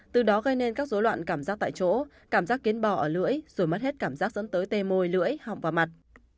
từ đó gây nên các dối loạn cảm giác tại chỗ cảm giác kiến bò ở lưỡi rồi mất hết cảm giác dẫn tới tê mồi lưỡi họng vào mặt